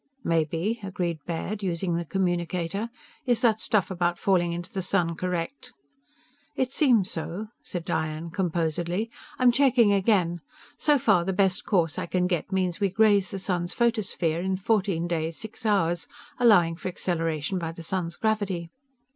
_" "Maybe," agreed Baird, using the communicator. "Is that stuff about falling into the sun correct?" "It seems so," said Diane composedly. "_I'm checking again. So far, the best course I can get means we graze the sun's photosphere in fourteen days six hours, allowing for acceleration by the sun's gravity.